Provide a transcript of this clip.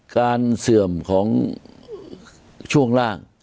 เสื่อมของช่วงล่าง